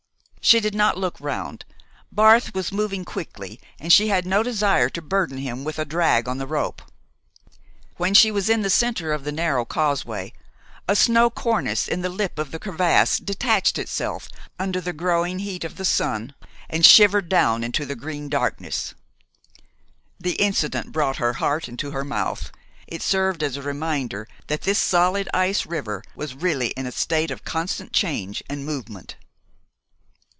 She did not look round. Barth was moving quickly, and she had no desire to burden him with a drag on the rope. When she was in the center of the narrow causeway, a snow cornice in the lip of the crevasse detached itself under the growing heat of the sun and shivered down into the green darkness. The incident brought her heart into her mouth. It served as a reminder that this solid ice river was really in a state of constant change and movement.